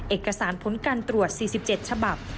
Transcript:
เอกสารผลการตรวจ๔๗ฉบับ